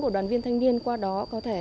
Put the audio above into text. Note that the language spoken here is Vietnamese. của đoàn viên thanh niên qua đó có thể